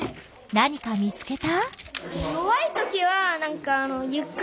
何か見つけた？